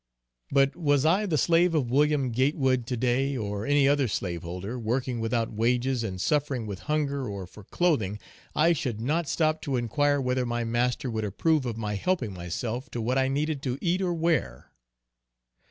But was I the slave of Wm. Gatewood to day, or any other slaveholder, working without wages, and suffering with hunger or for clothing, I should not stop to inquire whether my master would approve of my helping myself to what I needed to eat or wear.